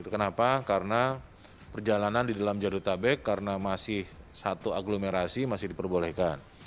kenapa karena perjalanan di dalam jadutabek karena masih satu aglomerasi masih diperbolehkan